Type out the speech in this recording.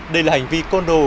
đây là hành vi côn đồ